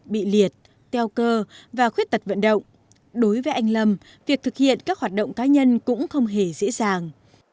bị liệt teo cơ và khuyết tật vận động đối với anh lâm việc thực hiện các hoạt động cá nhân cũng không hề dễ dàng